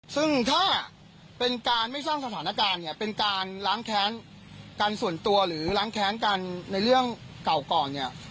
ซึ่งถ้าเป็นการไม่สร้างสถานการณ์เนี่ยเป็นการล้างแค้นกันส่วนตัวหรือล้างแค้นกันในเรื่องเก่าก่อนเนี่ย